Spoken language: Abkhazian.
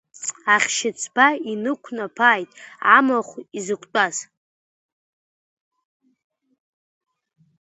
Ахьшьыцба инықәнаԥааит, амахә изықәтәаз.